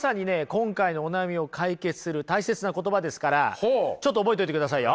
今回のお悩みを解決する大切な言葉ですからちょっと覚えといてくださいよ。